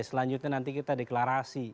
selanjutnya nanti kita deklarasi